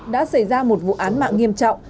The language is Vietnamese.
đã xảy ra một vụ án mạng nghiêm trọng